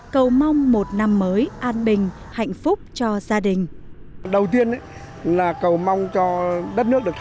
cầu mong một năm mới an bình hạnh phúc cho gia đình